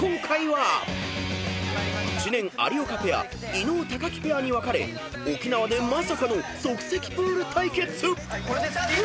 ［知念・有岡ペア伊野尾・木ペアに分かれ沖縄でまさかの即席プール対決！］